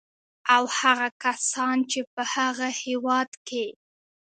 او هغه کسان چې په هغه هېواد کې